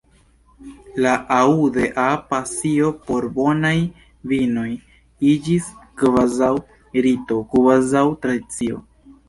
La "Aude-a" pasio por bonaj vinoj iĝis kvazaŭ rito, kvazaŭ tradicio.